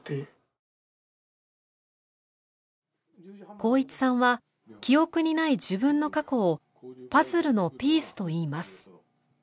航一さんは記憶にない自分の過去をパズルのピースと言います。